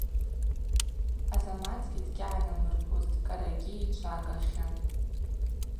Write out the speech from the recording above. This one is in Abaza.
Азаматгьи дгьагӏнамырбузтӏ, кӏарагьи йчвагахьан.